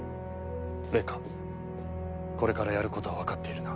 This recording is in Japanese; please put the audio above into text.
玲花これからやることはわかっているな？